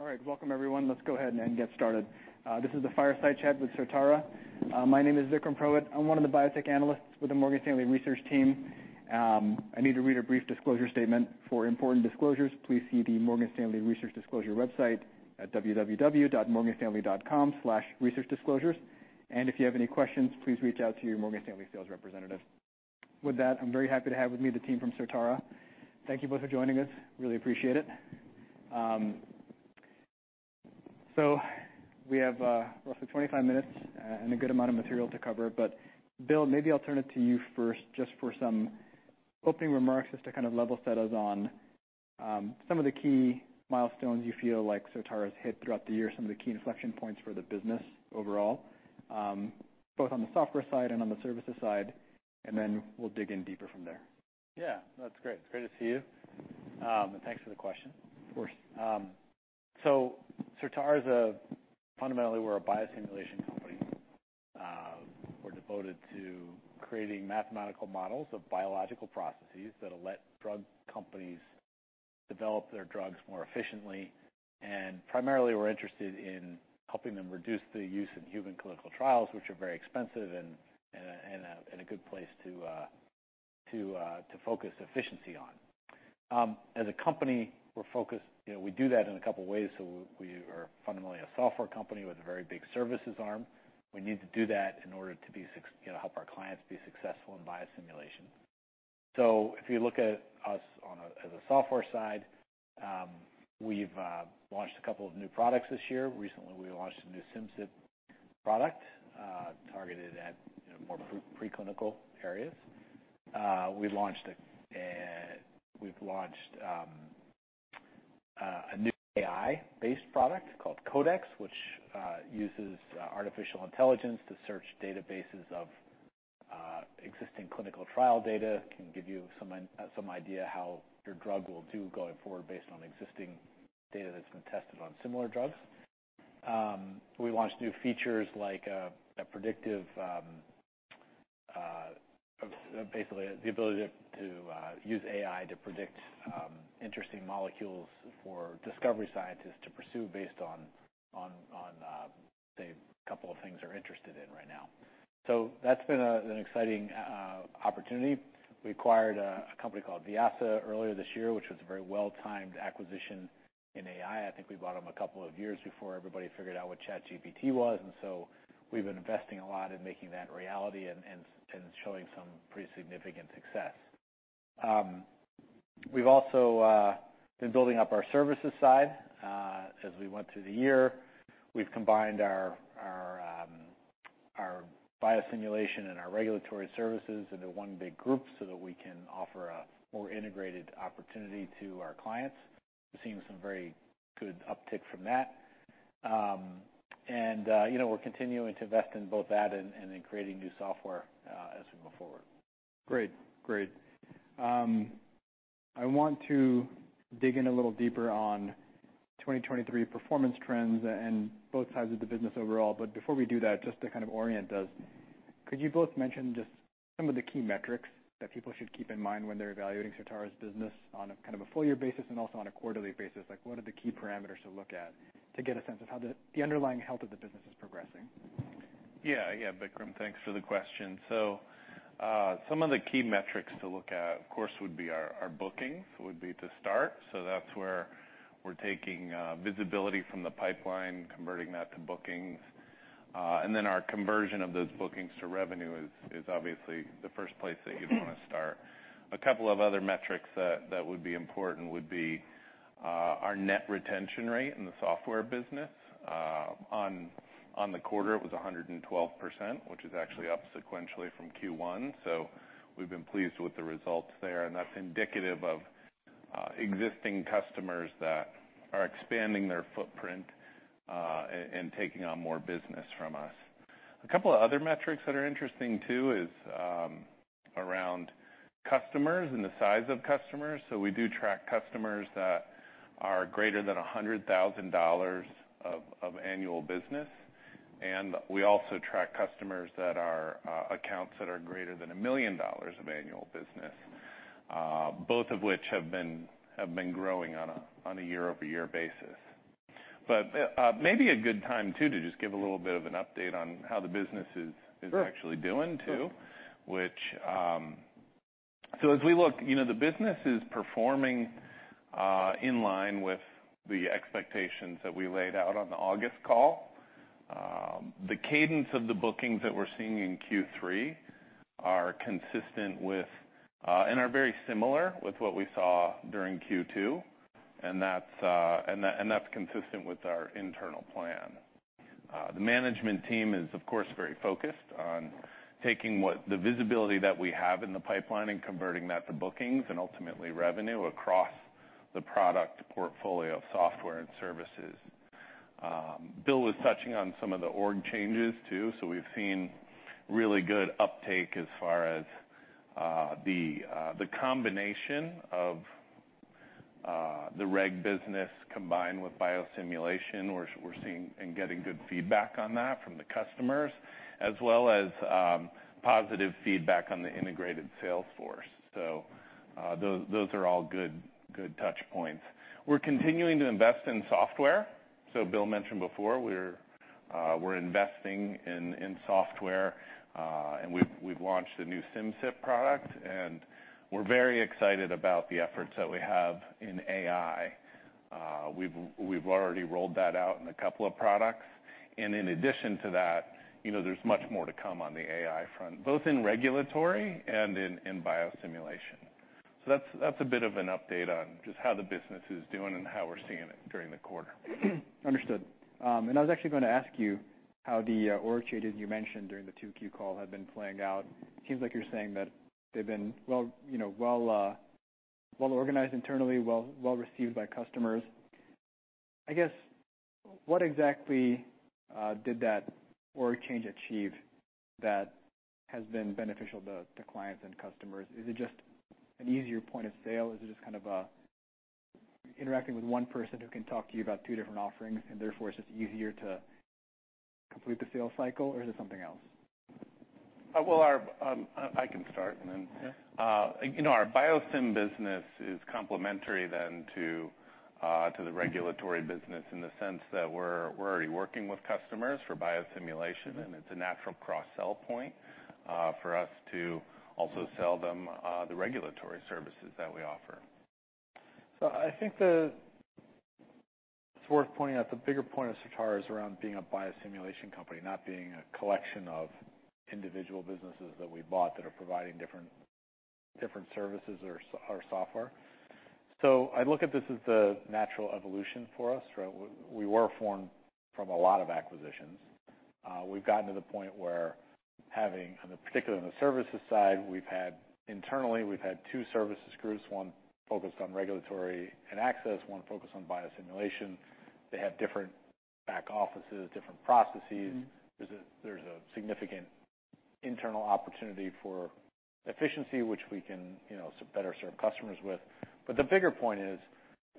All right, welcome, everyone. Let's go ahead and get started. This is the Fireside Chat with Certara. My name is Vikram Purohit. I'm one of the Biotech analysts with the Morgan Stanley Research Team. I need to read a brief disclosure statement. For important disclosures, please see the Morgan Stanley Research Disclosure website at www.morganstanley.com/researchdisclosures. If you have any questions, please reach out to your Morgan Stanley sales representative. With that, I'm very happy to have with me the team from Certara. Thank you both for joining us. Really appreciate it. We have roughly 25 minutes and a good amount of material to cover. But Bill, maybe I'll turn it to you first, just for some opening remarks, just to kind of level set us on, some of the key milestones you feel like Certara's hit throughout the year, some of the key inflection points for the business overall, both on the software side and on the services side, and then we'll dig in deeper from there. That's great. It's great to see you. Thanks for the question. Of course. Certara is fundamentally a biosimulation company. We're devoted to creating mathematical models of biological processes that'll let drug companies develop their drugs more efficiently. Primarily, we're interested in helping them reduce the use of human clinical trials, which are very expensive and a good place to focus efficiency on. As a company, we're focused, you know, we do that in a couple of ways. So we are fundamentally a software company with a very big services arm. We need to do that in order to be, you know, help our clients be successful in biosimulation. So if you look at us as a software side, we've launched a couple of new products this year. Recently, we launched a new Simcyp product targeted at, you know, more preclinical areas. We've launched a new AI-based product called CODEX, which uses artificial intelligence to search databases of existing clinical trial data. It can give you some idea how your drug will do going forward, based on existing data that's been tested on similar drugs. We launched new features like basically the ability to use AI to predict interesting molecules for discovery scientists to pursue based on say a couple of things they're interested in right now. So that's been an exciting opportunity. We acquired a company called Vyasa earlier this year, which was a very well-timed acquisition in AI. I think we bought them a couple of years before everybody figured out what ChatGPT was, and so we've been investing a lot in making that a reality and showing some pretty significant success. We've also been building up our services side as we went through the year. We've combined our biosimulation and our regulatory services into one big group, so that we can offer a more integrated opportunity to our clients. We're seeing some very good uptick from that. You know, we're continuing to invest in both that and in creating new software as we move forward. Great. I want to dig in a little deeper on 2023 performance trends and both sides of the business overall. But before we do that, just to kind of orient us, could you both mention just some of the key metrics that people should keep in mind when they're evaluating Certara's business on a kind of a full year basis and also on a quarterly basis? Like, what are the key parameters to look at to get a sense of how the underlying health of the business is progressing? Vikram, thanks for the question. Some of the key metrics to look at would be our, our bookings, would be to start. That's where we're taking visibility from the pipeline, converting that to bookings. And then our conversion of those bookings to revenue is, is obviously the first place that you'd want to start. A couple of other metrics that, that would be important would be our net retention rate in the software business. On the quarter, it was 112%, which is actually up sequentially from Q1, so we've been pleased with the results there, and that's indicative of existing customers that are expanding their footprint, and taking on more business from us. A couple of other metrics that are interesting, too, is around customers and the size of customers. We do track customers that are greater than $100,000 of annual business, and we also track customers that are accounts that are greater than $1 million of annual business, both of which have been growing on a year-over-year basis. But maybe a good time to just give a little bit of an update on how the business is actually doing, too. As we look the business is performing in line with the expectations that we laid out on the August call. The cadence of the bookings that we're seeing in Q3 are consistent with, and are very similar with what we saw during Q2 and that's consistent with our internal plan. The management team is, of course, very focused on taking what the visibility that we have in the pipeline and converting that to bookings and ultimately revenue across the product portfolio of software and services. Bill was touching on some of the org changes, too. So we've seen really good uptake as far as the combination of the reg business combined with biosimulation. We're seeing and getting good feedback on that from the customers, as well as positive feedback on the integrated sales force. Those are all good touch points. We're continuing to invest in software. So Bill mentioned before, we're investing in software, and we've launched a new Simcyp product, and we're very excited about the efforts that we have in AI. We've already rolled that out in a couple of products, and in addition to that, you know, there's much more to come on the AI front, both in regulatory and in biosimulation. So that's a bit of an update on just how the business is doing and how we're seeing it during the quarter. Understood. And I was actually gonna ask you how the org changes you mentioned during the 2Q call had been playing out. It seems like you're saying that they've been well organized internally, well received by customers. What exactly did that org change achieve that has been beneficial to clients and customers? Is it just an easier point of sale? Is it just interacting with one person who can talk to you about two different offerings, and therefore, it's just easier to complete the sales cycle, or is it something else? Well, I can start, and then our Biosim business is complementary then to the regulatory business in the sense that we're already working with customers for biosimulation and it's a natural cross-sell point, for us to also sell them, the regulatory services that we offer. So I think it's worth pointing out, the bigger point of Certara is around being a biosimulation company, not being a collection of individual businesses that we bought that are providing different services or software. So I look at this as the natural evolution for us, right? We were formed from a lot of acquisitions. We've gotten to the point where having, and particularly on the services side, we've had internally two services groups, one focused on regulatory and access, one focused on biosimulation. They have different back offices, different processes. There's a significant internal opportunity for efficiency, which we can, you know, so better serve customers with. But the bigger point is,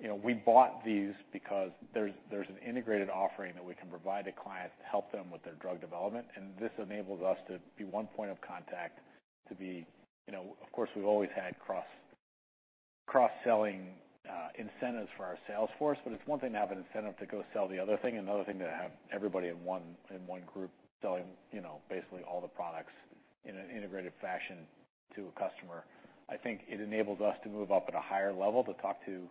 you know, we bought these because there's an integrated offering that we can provide to clients to help them with their drug development, and this enables us to be one point of contact to be, of course, we've always had cross-selling incentives for our sales force, but it's one thing to have an incentive to go sell the other thing and another thing to have everybody in one group selling, you know, basically all the products in an integrated fashion to a customer. I think it enables us to move up at a higher level, to talk to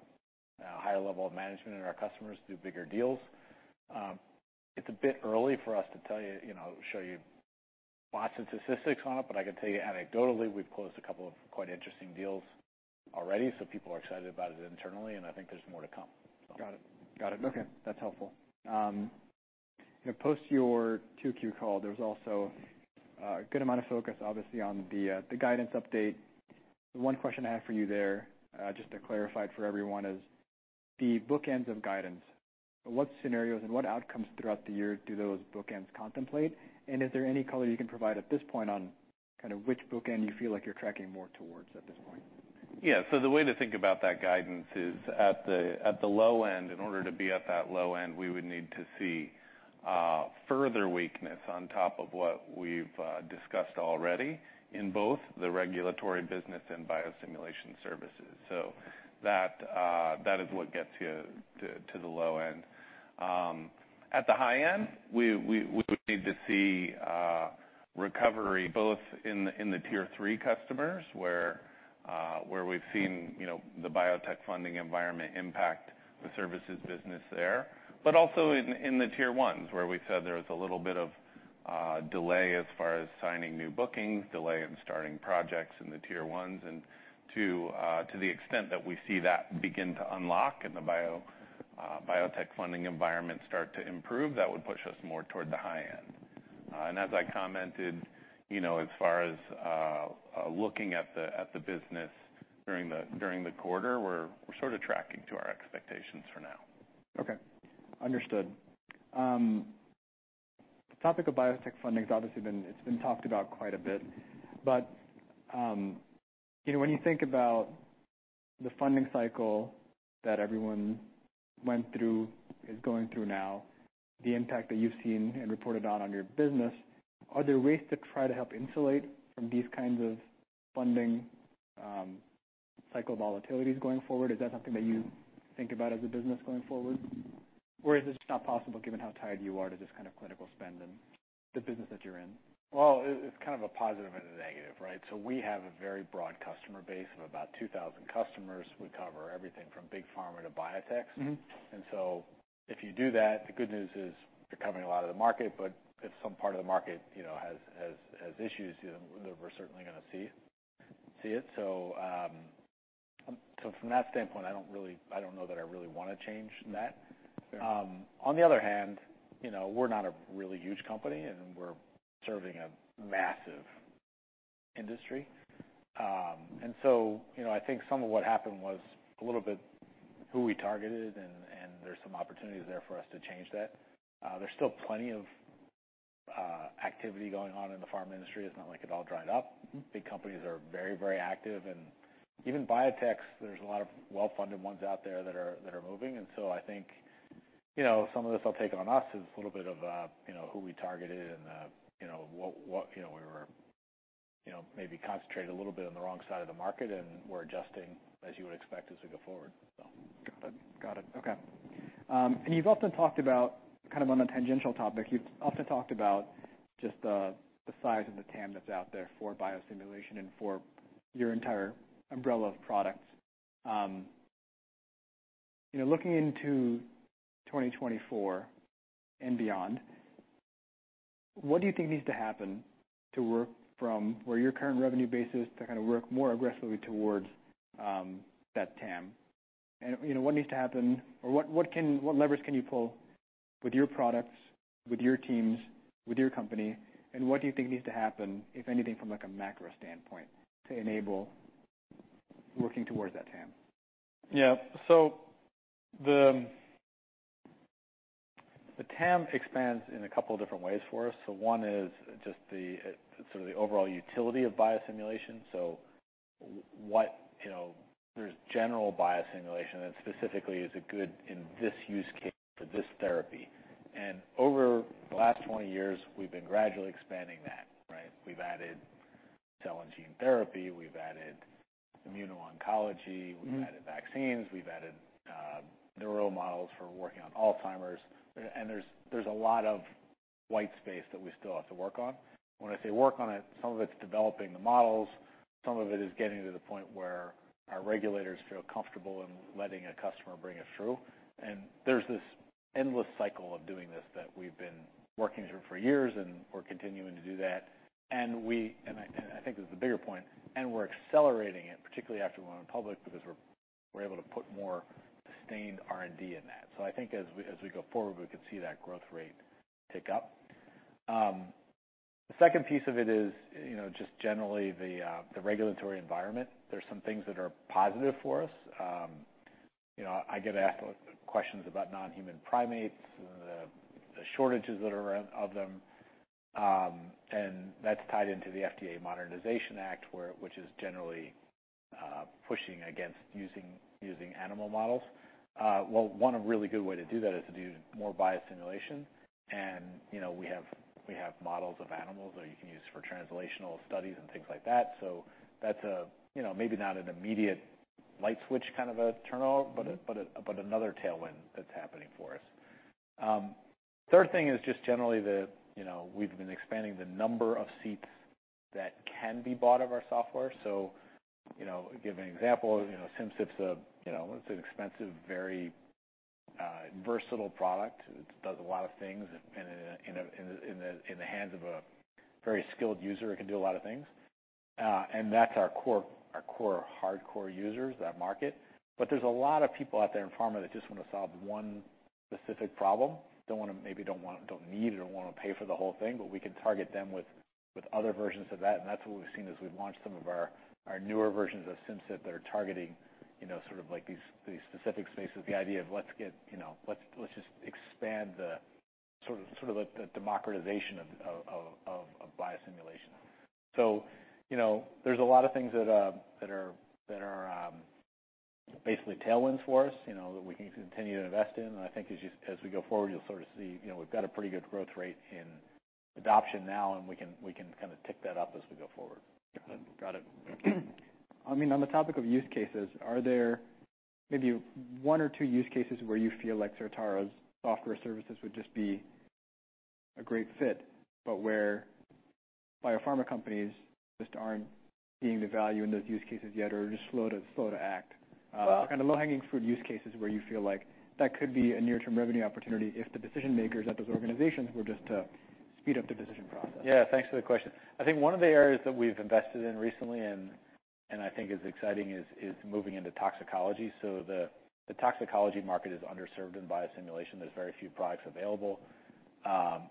a higher level of management and our customers do bigger deals. It's a bit early for us to tell you, you know, show you lots of statistics on it, but I can tell you anecdotally, we've closed a couple of quite interesting deals already, so people are excited about it internally, and I think there's more to come, so. Got it. Okay. That's helpful. You know, post your 2Q call, there was also a good amount of focus, obviously, on the guidance update. The one question I have for you there, just to clarify it for everyone, is the bookends of guidance. What scenarios and what outcomes throughout the year do those bookends contemplate? And is there any color you can provide at this point on kind of which bookend you feel like you're tracking more towards at this point? Yeah. So the way to think about that guidance is at the low end. In order to be at that low end, we would need to see further weakness on top of what we've discussed already in both the regulatory business and biosimulation services. So that is what gets you to the low end. At the high end, we would need to see recovery both in the tier three customers, where we've seen, you know, the biotech funding environment impact the services business there. But also in the tier ones, where we said there was a little bit of delay as far as signing new bookings, delay in starting projects in the tier ones. To the extent that we see that begin to unlock and the biotech funding environment start to improve, that would push us more toward the high end. As I commented, you know, as far as looking at the business during the quarter, we're sort of tracking to our expectations for now. Okay. Understood. The topic of biotech funding has obviously been. It's been talked about quite a bit, but, you know, when you think about the funding cycle that everyone went through, is going through now, the impact that you've seen and reported on, on your business, are there ways to try to help insulate from these kinds of funding cycle volatilities going forward? Is that something that you think about as a business going forward? Or is it just not possible, given how tied you are to this kind of clinical spend and the business that you're in? Well, it's kind of a positive and a negative, right? So we have a very broad customer base of about 2,000 customers. We cover everything from big pharma to biotechs. And so if you do that, the good news is you're covering a lot of the market, but if some part of the market, you know, has issues, you know, then we're certainly gonna see it. So, from that standpoint, I don't really. I don't know that I really wanna change that. On the other hand, you know, we're not a really huge company, and we're serving a massive industry. And so, you know, I think some of what happened was a little bit who we targeted, and there's some opportunities there for us to change that. There's still plenty of activity going on in the pharma industry. It's not like it all dried up. Big companies are very, very active, and even biotechs, there's a lot of well-funded ones out there that are moving. So I think you know, some of this I'll take on us, is a little bit of you know, who we targeted and you know, what you know we were you know, maybe concentrated a little bit on the wrong side of the market, and we're adjusting, as you would expect, as we go forward, so. You've often talked about a tangential topic, you've often talked about just the, the size of the TAM that's out there for biosimulation and for your entire umbrella of products. Looking into 2024 and beyond, what do you think needs to happen to work from where your current revenue base is, to work more aggressively towards, that TAM? What needs to happen or what levers can you pull with your products, with your teams, with your company? And what do you think needs to happen, if anything, from a macro standpoint, to enable working towards that TAM? Yeah. So the TAM expands in a couple different ways for us. So one is just sort of the overall utility of biosimulation. So what, you know, there's general biosimulation, and specifically, is it good in this use case for this therapy? And over the last 20 years, we've been gradually expanding that, right? We've added cell and gene therapy, we've added immuno-oncology, we've added vaccines, we've added neural models for working on Alzheimer's. And there's a lot of white space that we still have to work on. When I say work on it, some of it's developing the models, some of it is getting to the point where our regulators feel comfortable in letting a customer bring it through. And there's this endless cycle of doing this that we've been working through for years, and we're continuing to do that. And I think this is the bigger point, and we're accelerating it, particularly after we went public, because we're able to put more sustained R&D in that. So I think as we go forward, we can see that growth rate tick up. The second piece of it is, you know, just generally the regulatory environment. There's some things that are positive for us. You know, I get asked questions about non-human primates and the shortages that are of them. And that's tied into the FDA Modernization Act, which is generally pushing against using animal models. Well, one really good way to do that is to do more biosimulation. And, you know, we have models of animals that you can use for translational studies and things like that. So that's a, you know, maybe not an immediate light switch kind of a turn off but another tailwind that's happening for us. Third thing is just generally, you know, we've been expanding the number of seats that can be bought of our software. So, you know, give an example, you know, Simcyp's a, you know, it's an expensive, very versatile product. It does a lot of things, and in the hands of a very skilled user, it can do a lot of things. And that's our core hardcore users, that market. But there's a lot of people out there in pharma that just want to solve one specific problem. Don't wanna, maybe don't want, don't need or don't wanna pay for the whole thing, but we can target them with other versions of that, and that's what we've seen as we've launched some of our newer versions of Simcyp that are targeting, you know, sort of like these specific spaces. The idea of let's get, you know, let's just expand the sort of the democratization of biosimulation. So, you know, there's a lot of things that are basically tailwinds for us, you know, that we can continue to invest in. And I think as we go forward, you'll sort of see, you know, we've got a pretty good growth rate in adoption now, and we can kind of tick that up as we go forward. Got it. I mean, on the topic of use cases, are there maybe one or two use cases where you feel like Certara's software services would just be a great fit, but where biopharma companies just aren't seeing the value in those use cases yet or are just slow to, slow to act? Kind of low-hanging fruit use cases where you feel like that could be a near-term revenue opportunity if the decision makers at those organizations were just to speed up the decision process. Yeah, thanks for the question. I think one of the areas that we've invested in recently, and I think is exciting, is moving into toxicology. So the toxicology market is underserved in biosimulation. There's very few products available.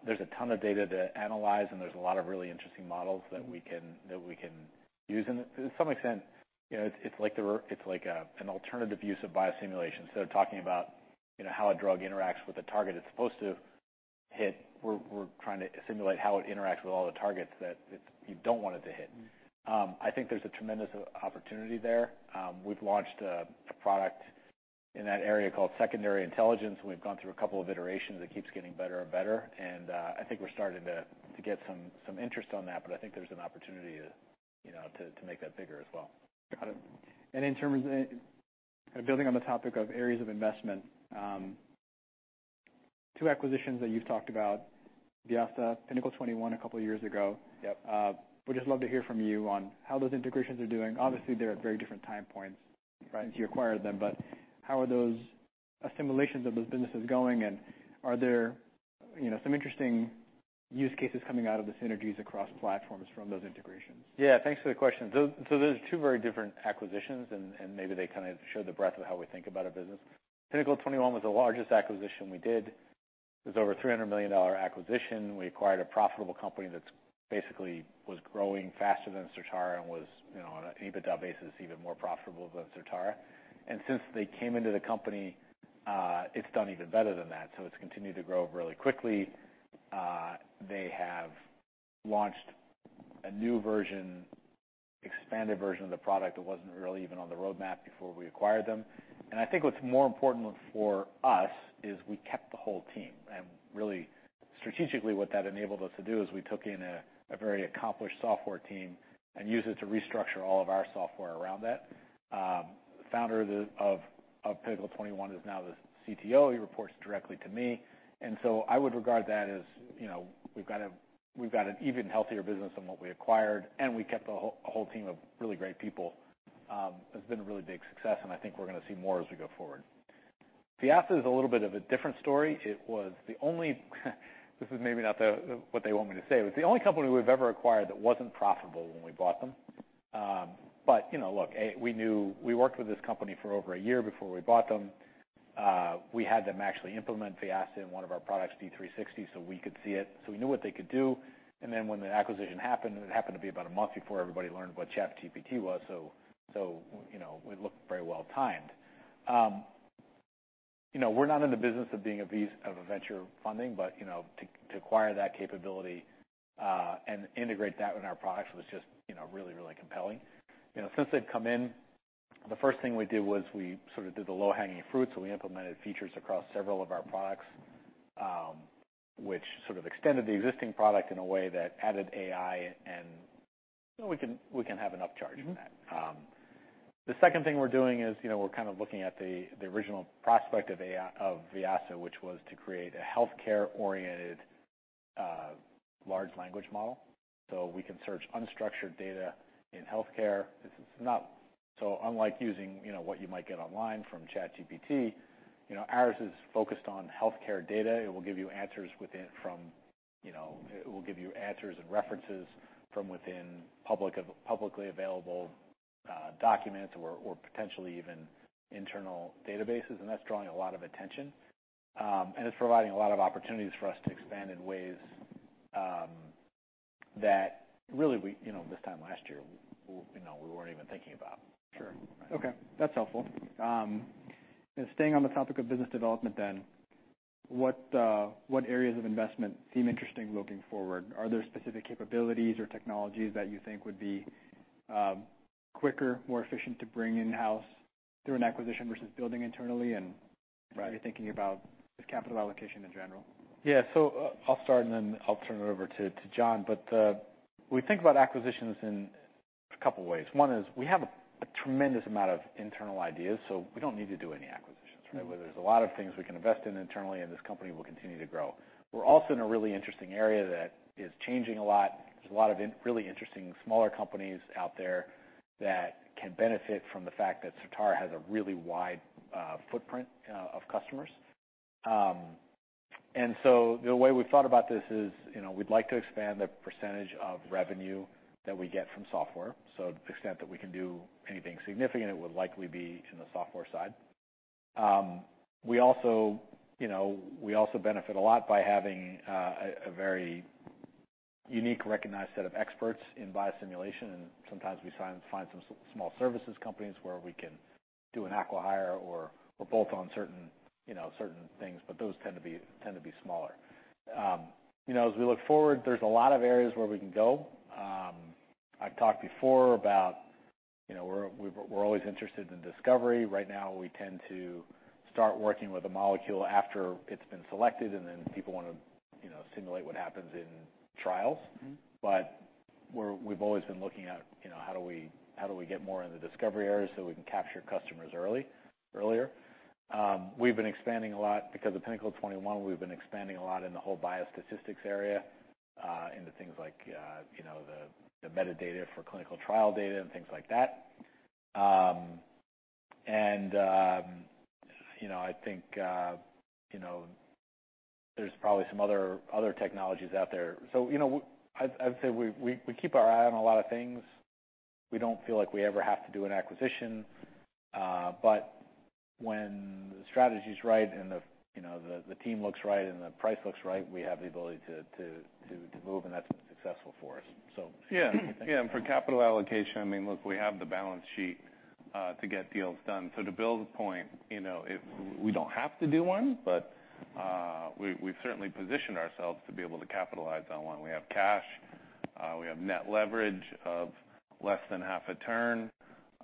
There's a ton of data to analyze, and there's a lot of really interesting models that we can use. And to some extent, you know, it's like an alternative use of biosimulation. So talking about, you know, how a drug interacts with the target it's supposed to hit, we're trying to simulate how it interacts with all the targets that you don't want it to hit. I think there's a tremendous opportunity there. We've launched a product in that area called Secondary Intelligence. We've gone through a couple of iterations. It keeps getting better and better, and I think we're starting to get some interest on that, but I think there's an opportunity to, you know, to make that bigger as well. Got it. In terms of building on the topic of areas of investment, two acquisitions that you've talked about, Vyasa, Pinnacle 21, a couple of years ago. Would just love to hear from you on how those integrations are doing. Obviously, they're at very different time points since you acquired them, but how are those assimilations of those businesses going? And are there, you know, some interesting use cases coming out of the synergies across platforms from those integrations? Yeah, thanks for the question. So, those are two very different acquisitions, and maybe they kind of show the breadth of how we think about our business. Pinnacle 21 was the largest acquisition we did. It was over $300 million acquisition. We acquired a profitable company that's basically was growing faster than Certara and was, you know, on an EBITDA basis, even more profitable than Certara. And since they came into the company, it's done even better than that, so it's continued to grow really quickly. They have launched a new expanded version of the product that wasn't really even on the roadmap before we acquired them. And I think what's more important for us is we kept the whole team. Really, strategically, what that enabled us to do is we took in a very accomplished software team and used it to restructure all of our software around that. The founder of Pinnacle 21 is now the CTO. He reports directly to me. And so I would regard that as, you know, we've got a, we've got an even healthier business than what we acquired, and we kept the whole team of really great people. It's been a really big success, and I think we're gonna see more as we go forward. Vyasa is a little bit of a different story. It was the only. This is maybe not what they want me to say. It's the only company we've ever acquired that wasn't profitable when we bought them. But, you know, look, we knew we worked with this company for over a year before we bought them. We had them actually implement Vyasa in one of our products, D360, so we could see it. So we knew what they could do, and then when the acquisition happened, it happened to be about a month before everybody learned what ChatGPT was, so, so, you know, it looked very well-timed. You know, we're not in the business of being a venture funding, but, you know, to acquire that capability and integrate that in our products was just, you know, really, really compelling. Since they've come in, the first thing we did was we did the low-hanging fruit, so we implemented features across several of our products, which extended the existing product in a way that added AI, and we can have enough charge from that. The second thing we're doing is we're looking at the, the original prospect of AI, of Vyasa, which was to create a healthcare-oriented, large language model. So we can search unstructured data in healthcare. This is not so unlike using what you might get online from ChatGPT. Ours is focused on healthcare data. It will give you answers within from. It will give you answers and references from within publicly available documents or potentially even internal databases, and that's drawing a lot of attention. And it's providing a lot of opportunities for us to expand in ways that really we, this time last year we weren't even thinking about. Sure. Okay, that's helpful. Staying on the topic of business development then, what areas of investment seem interesting looking forward? Are there specific capabilities or technologies that you think would be quicker, more efficient to bring in-house through an acquisition versus building internally? How are you thinking about this capital allocation in general? I'll start, and then I'll turn it over to, to John. But, we think about acquisitions in a couple ways. One is we have a tremendous amount of internal ideas, so we don't need to do any acquisitions, right? There's a lot of things we can invest in internally, and this company will continue to grow. We're also in a really interesting area that is changing a lot. There's a lot of really interesting smaller companies out there that can benefit from the fact that Certara has a really wide footprint of customers. And so the way we've thought about this is, you know, we'd like to expand the percentage of revenue that we get from software. So to the extent that we can do anything significant, it would likely be in the software side. We also benefit a lot by having a very unique, recognized set of experts in biosimulation, and sometimes we find some small services companies where we can do an acqui-hire or bolt on certain certain things, but those tend to be smaller. As we look forward, there's a lot of areas where we can go. I've talked before about we're always interested in discovery. Right now, we tend to start working with a molecule after it's been selected, and then people want to simulate what happens in trials. But we've always been looking at, you know, how do we, how do we get more in the discovery area so we can capture customers earlier? We've been expanding a lot because of Pinnacle 21, we've been expanding a lot in the whole biostatistics area, into things the metadata for clinical trial data and things like that. There's probably some other, other technologies out there. I'd say we keep our eye on a lot of things. We don't feel like we ever have to do an acquisition, but when the strategy's right and the team looks right and the price looks right, we have the ability to move, and that's been successful for us, so. And for capital allocation, look, we have the balance sheet to get deals done. So to Bill's point it, we don't have to do one, but, we've certainly positioned ourselves to be able to capitalize on one. We have cash, we have net leverage of less than half a turn,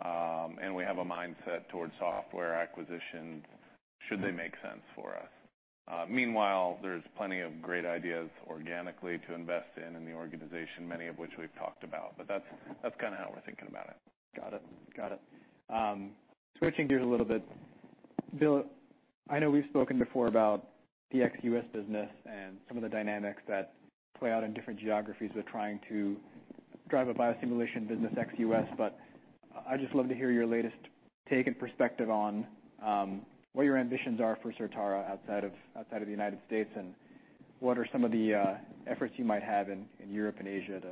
and we have a mindset towards software acquisitions should they make sense for us. Meanwhile, there's plenty of great ideas organically to invest in in the organization, many of which we've talked about, but that's kinda how we're thinking about it. Switching gears a little bit, Bill, I know we've spoken before about the ex-US business and some of the dynamics that play out in different geographies with trying to drive a biosimulation business ex-US, but I'd just love to hear your latest take and perspective on what your ambitions are for Certara outside of the United States, and what are some of the efforts you might have in Europe and Asia to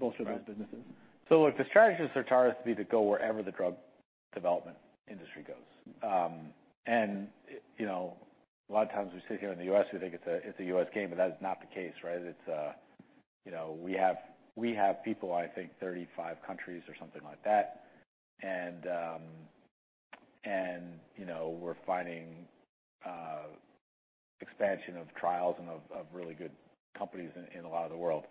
bolster those businesses? So look, the strategy of Certara is to be to go wherever the drug development industry goes. A lot of times we sit here in the U.S., we think it's a, it's a U.S. game, but that's not the case, right? It's we have people 35 countries or something like that. We're finding expansion of trials and of really good companies in a lot of the world.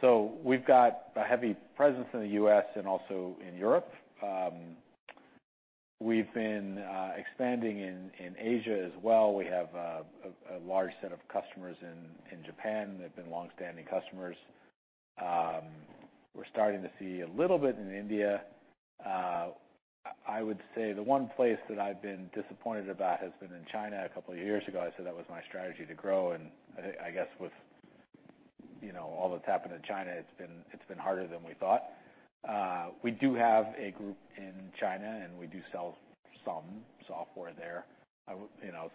So we've got a heavy presence in the U.S. and also in Europe. We've been expanding in Asia as well. We have a large set of customers in Japan. They've been long-standing customers. We're starting to see a little bit in India. I would say the one place that I've been disappointed about has been in China. A couple of years ago, I said that was my strategy to grow, and I, I guess with all that's happened in China, it's been harder than we thought. We do have a group in China, and we do sell some software there. I would,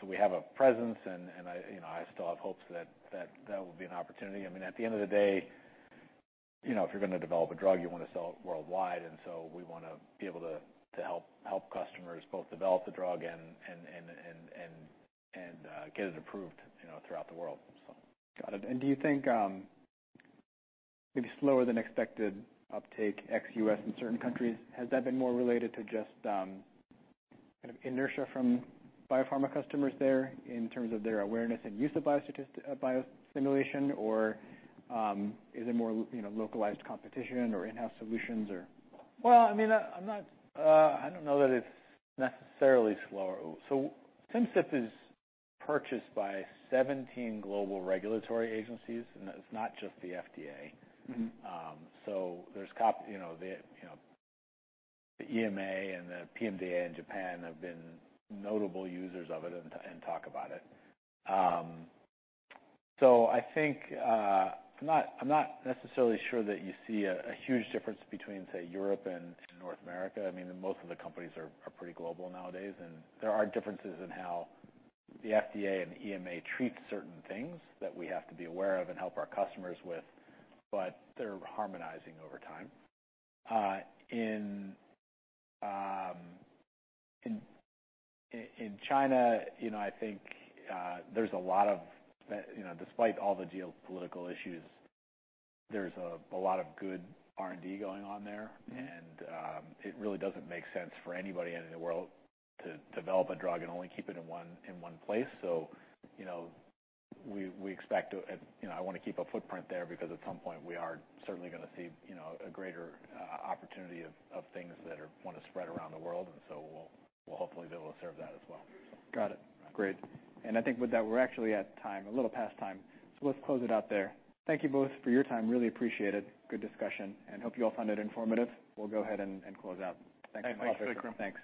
we have a presence, and I still have hopes that will be an opportunity. At the end of the day if you're gonna develop a drug, you wanna sell it worldwide, and so we wanna be able to help customers both develop the drug and get it approved throughout the world, so. Got it. And do you think, maybe slower than expected uptake ex-US in certain countries, has that been more related to just, kind of inertia from biopharma customers there in terms of their awareness and use of biosimulation, or, is it more localized competition or in-house solutions, or? I don't know that it's necessarily slower. So Simcyp is purchased by 17 global regulatory agencies, and it's not just the FDA. The EMA and the PMDA in Japan have been notable users of it and talk about it. So I think, I'm not necessarily sure that you see a huge difference between, say, Europe and North America. I mean, most of the companies are pretty global nowadays, and there are differences in how the FDA and EMA treat certain things that we have to be aware of and help our customers with, but they're harmonizing over time. In China, there's a lot of, despite all the geopolitical issues, there's a lot of good R&D going on there. It really doesn't make sense for anybody in the world to develop a drug and only keep it in one place. So, you know, we expect to, and, you know, I wanna keep a footprint there because at some point we are certainly gonna see, you know, a greater opportunity of things that are gonna spread around the world. And so we'll hopefully be able to serve that as well. Got it. Great. And I think with that, we're actually at time, a little past time, so let's close it out there. Thank you both for your time. Really appreciate it. Good discussion, and hope you all found it informative. We'll go ahead and, and close out. Thanks. Thanks, Vikram. Thanks.